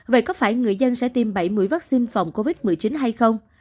vậy có phải người dân sẽ tiêm bảy mươi vaccine phòng covid một mươi chín hay không